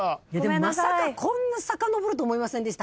まさかこんなさかのぼると思いませんでした